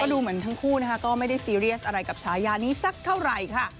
ดูเหมือนทั้งคู่นะคะก็ไม่ได้ซีเรียสอะไรกับฉายานี้สักเท่าไหร่ค่ะ